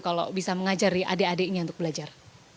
kalau bisa mengajari adik adiknya untuk belajar